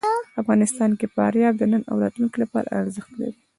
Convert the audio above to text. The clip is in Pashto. افغانستان کې فاریاب د نن او راتلونکي لپاره ارزښت لري.